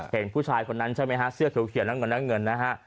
เห็นผู้ชายคนนั้นใช่ไหมเสื้อเขียวเขียวน้ำเงินน้ำเงิน